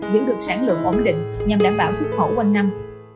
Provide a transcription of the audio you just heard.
giữ được sản lượng ổn định nhằm đảm bảo xuất khẩu quanh năm